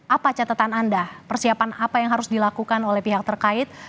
apa catatan anda persiapan apa yang harus dilakukan oleh pihak terkait